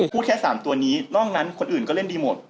พูดแค่๓ตัวนี้นอกนั้นคนอื่นก็เล่นดีหมด